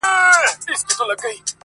تل به گرځېدی په مار پسي پر پولو،